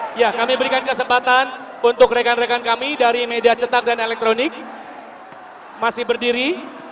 hai ya kami berikan kesempatan untuk rekan rekan kami dari media cetak dan elektronik masih berdiri